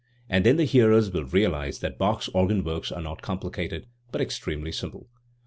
And then the hearers will realise that Bach's organ works are not complicated, but ex tremely simple.